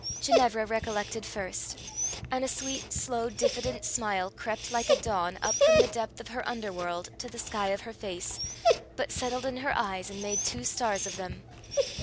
Ginevra recollected first, and a sweet slow diffident smile crept like a dawn up from the depth of her under world to the sky of her face, but settled in her eyes, and made two stars of them.